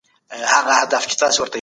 د مېوو استعمال د بدن قوت دی.